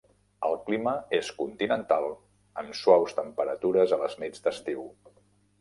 El clima és continental amb suaus temperatures a les nits d'estiu.